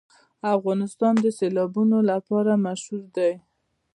افغانستان د سیلابونه لپاره مشهور دی.